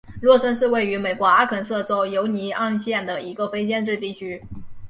洛森是位于美国阿肯色州犹尼昂县的一个非建制地区。